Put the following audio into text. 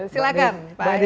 silahkan pak ero